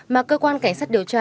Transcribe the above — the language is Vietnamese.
mà cơ quan cảnh sát điều tra